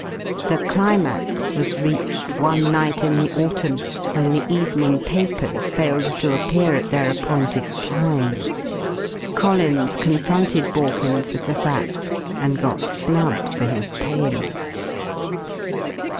The climax was reached one night in the autumn when the evening papers failed to appear at their appointed time. Collins confronted Borkins with the fact and got snubbed for his pains.